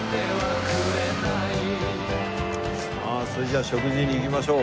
さあそれじゃあ食事に行きましょう。